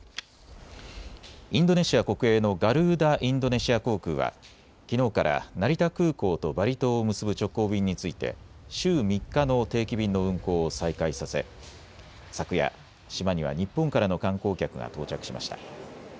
インドネシア国営のガルーダ・インドネシア航空はきのうから成田空港とバリ島を結ぶ直行便について週３日の定期便の運航を再開させ、昨夜、島には日本からの観光客が到着しました。